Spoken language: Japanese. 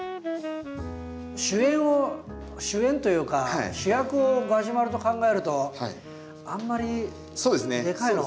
主演を主演というか主役をガジュマルと考えるとあんまりでかいの。